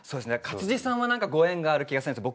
勝地さんはご縁がある気がするんです。